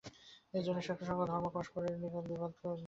এইজন্যই এইসকল ধর্ম চিরকাল পরস্পরের সহিত বিবাদ করিতেছে এবং করিবে।